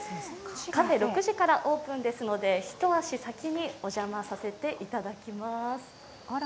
カフェ、６時からオープンですので、一足先にお邪魔させていただきます。